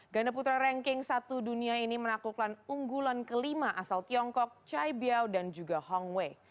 ganda putra ranking satu dunia ini menaklukkan unggulan kelima asal tiongkok chai biao dan juga hong wei